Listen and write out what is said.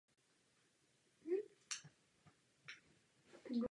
To jsem chtěl ve stručnosti k tématu Kosova sdělit.